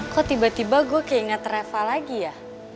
kok tiba tiba gue kayak inget reva lagi ya